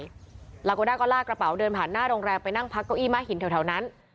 ลาโกด้าก็ลากกระเป๋าเดินผ่านหน้าโรงแรมไปนั่งพักเก้าอี้ม้าหินแถวนั้น